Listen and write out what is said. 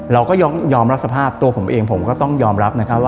เราก็ยอมรับสภาพตัวผมเองผมก็ต้องยอมรับนะครับว่า